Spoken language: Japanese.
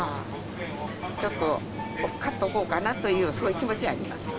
ちょっと買っとこうかなという、そういう気持ちになります。